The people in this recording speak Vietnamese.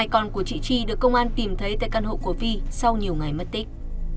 hai con của chị chi được công an tìm thấy tại căn hộ của vi sau nhiều ngày mất tích